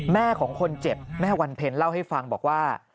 แม่ของคนเจ็บแม่วันเพ็ญเล่าให้ฟังบอกว่า